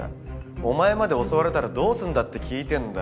お前まで襲われたらどうすんだって聞いてんだよ。